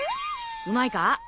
うまいか？